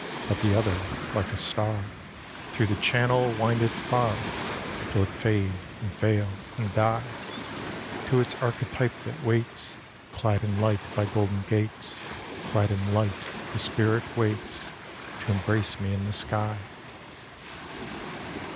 But the other, like a star, Thro' the channel windeth far Till it fade and fail and die, To its Archetype that waits Clad in light by golden gates, Clad in light the Spirit waits To embrace me in the sky.